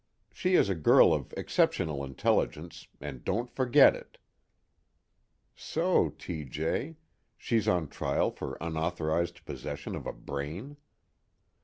She is a girl of exceptional intelligence, and don't forget it." (_So, T. J.? She's on trial for unauthorized possession of a brain?